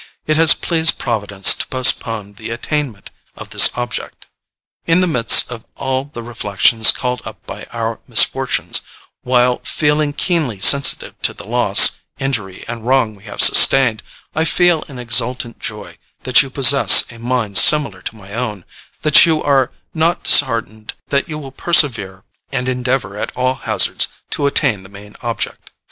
It has pleased Providence to postpone the attainment of this object. In the midst of all the reflections called up by our misfortunes, while feeling keenly sensitive to the loss, injury and wrong we have sustained, I feel an exultant joy that you possess a mind similar to my own, that you are not disheartened, that you will persevere and endeavor at all hazards to attain the main object.